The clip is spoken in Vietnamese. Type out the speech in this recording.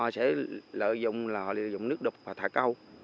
sẽ lợi dụng là họ lợi dụng nước đục và thả câu